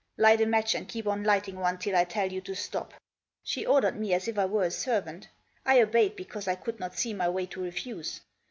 Light a match, and keep on lighting one till I tell you to stop." She ordered, me as if I were a servant : I obeyed because I could not see my way to refuse.